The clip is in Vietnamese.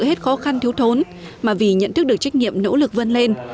hết khó khăn thiếu thốn mà vì nhận thức được trách nhiệm nỗ lực vươn lên